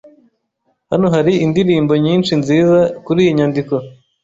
Hano hari indirimbo nyinshi nziza kuriyi nyandiko.